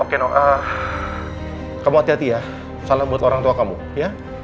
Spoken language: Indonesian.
oke kamu hati hati ya salam buat orang tua kamu ya